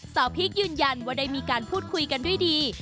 พีคยืนยันว่าได้มีการพูดคุยกันด้วยดี